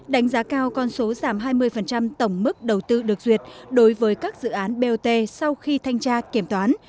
đánh giá cao con số giảm hai mươi tổng mức đầu tư được duyệt đối với các dự án bot sau khi thanh tra kiểm toán